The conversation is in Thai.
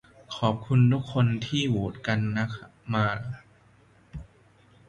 ขอบคุณทุกคนครับ ที่โหวตก้นเข้ามา